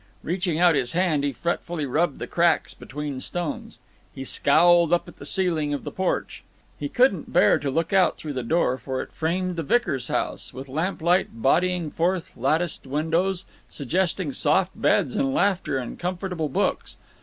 Reaching out his hand, he fretfully rubbed the cracks between stones. He scowled up at the ceiling of the porch. He couldn't bear to look out through the door, for it framed the vicar's house, with lamplight bodying forth latticed windows, suggesting soft beds and laughter and comfortable books.